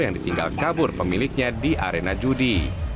yang ditinggal kabur pemiliknya di arena judi